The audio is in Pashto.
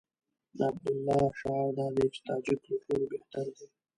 د عبدالله شعار دا دی چې تاجک له ټولو بهتر دي.